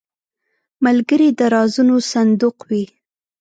ملګری د رازونو صندوق وي